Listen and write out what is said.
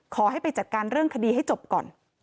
ขอให้ไปจัดการเรื่องคดีให้จบก่อน